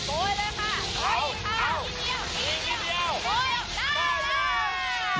โอ้ยไปเลย